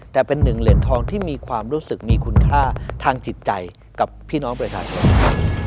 แต่เป็นหนึ่งเหรียญทองที่มีความรู้สึกมีคุณค่าทางจิตใจกับพี่น้องประชาชน